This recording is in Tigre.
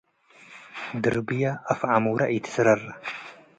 ድርብየ አፍ ዐሙረ ኢትስረር።